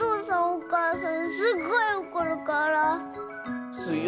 そうかあ。